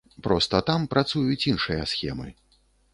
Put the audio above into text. Проста там працуюць іншыя схемы.